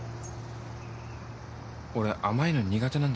俺甘いの苦手なんだ。